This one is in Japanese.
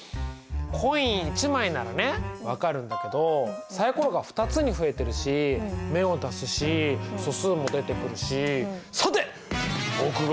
コイン１枚ならね分かるんだけどサイコロが２つに増えてるし目を足すし素数も出てくるしさてっ！